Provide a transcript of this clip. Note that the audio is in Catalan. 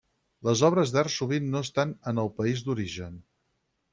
Les obres d'art sovint no estan en el país d'origen.